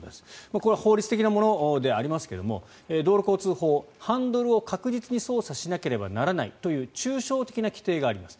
これは法律的なものではありますが道路交通法、ハンドルを確実に操作しなければならないという抽象的な規定があります。